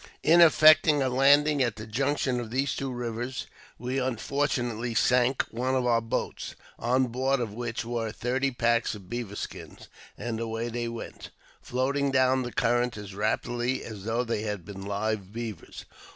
In effecting a landing at the junction of these two rivers, we unfortunately sunk one of our boats, on board of which were thirty packs of beaver skins, and away they went, floating down the current as rapidly as though they had been live beavers.